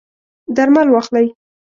درمل واخلئ